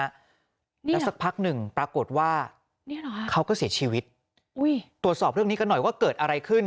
แล้วสักพักหนึ่งปรากฏว่าเขาก็เสียชีวิตอุ้ยตรวจสอบเรื่องนี้กันหน่อยว่าเกิดอะไรขึ้น